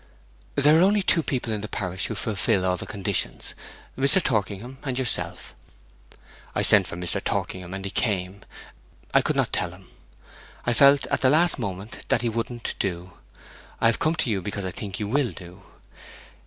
'There are only two people in the parish who fulfil all the conditions, Mr. Torkingham, and yourself. I sent for Mr. Torkingham, and he came. I could not tell him. I felt at the last moment that he wouldn't do. I have come to you because I think you will do.